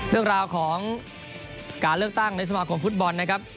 เรื่องราวของการเลือกตั้งในสมาคมฟุตบอลนะครับ